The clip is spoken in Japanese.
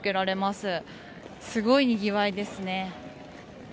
すごいにぎわいですね。